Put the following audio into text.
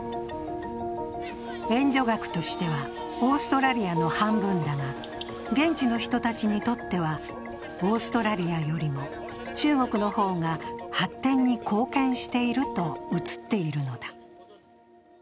援助額としてはオーストラリアの半分だが、現地の人たちにとってはオーストラリアよりも中国の方が発展に貢献していると映っているのだ。